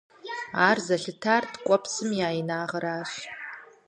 Ар зэлъытар ткӀуэпсхэм я инагъыращ.